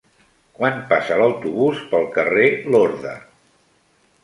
Quan passa l'autobús pel carrer Lorda?